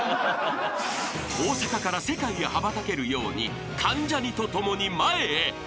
［大阪から世界へ羽ばたけるように関ジャニと共に前へ！］